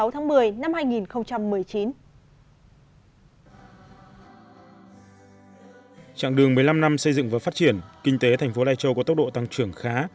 trạng đường một mươi năm năm xây dựng và phát triển kinh tế thành phố lai châu có tốc độ tăng trưởng khá